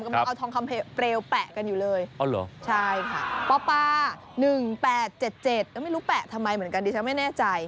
กำลังเอาทองคำเปลวแปะกันอยู่เลยใช่ค่ะปป๑๘๗๗ไม่รู้แปะทำไมเหมือนกันดิฉันไม่แน่ใจ